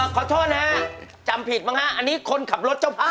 ขอโทษนะฮะจำผิดมั้งฮะอันนี้คนขับรถเจ้าภาพ